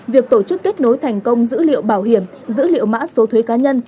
việc tổ chức kết nối thành công dữ liệu bảo hiểm dữ liệu mã số thuế cá nhân